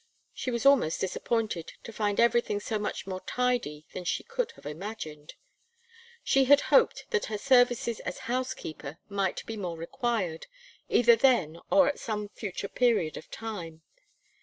She was almost disappointed to find everything so much more tidy than she could have imagined. She had hoped that her services as house keeper might be more required, either then, or at some future period of time.